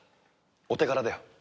お手柄だよ。